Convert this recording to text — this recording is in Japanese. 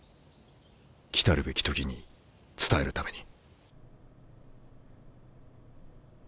来るべき時に伝えるために。